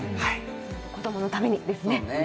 子供のためにですね！